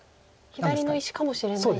左の石かもしれないしと。